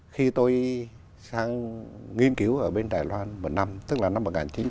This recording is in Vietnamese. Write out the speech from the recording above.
khi tôi sang nghiên cứu ở bên đài loan một năm tức là năm một nghìn chín trăm chín mươi bảy một nghìn chín trăm chín mươi ba